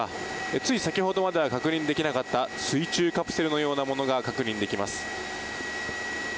つい先ほどまでは確認できなかった水中カプセルのようなものが確認できます。